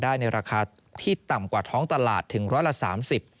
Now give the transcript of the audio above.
ในราคาที่ต่ำกว่าท้องตลาดถึงร้อยละสามสิบ